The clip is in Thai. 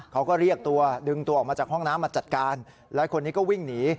เขาก็เรียกตัวดึงตัวออกมาจากห้องน้ำมาจัดการแล้วคนนี้ก็วิ่งหนี